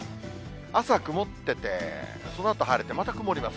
朝曇ってて、そのあと晴れて、また曇ります。